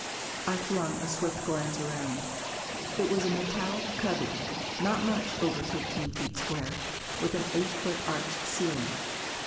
I flung a swift glance around. It was a metallic cubby, not much over fifteen feet square, with an eight foot arched ceiling.